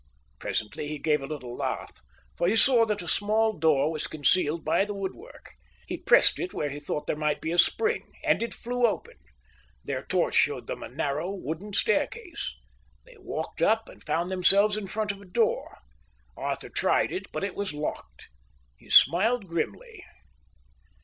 Presently he gave a little laugh, for he saw that a small door was concealed by the woodwork. He pressed it where he thought there might be a spring, and it flew open. Their torch showed them a narrow wooden staircase. They walked up and found themselves in front of a door. Arthur tried it, but it was locked. He smiled grimly.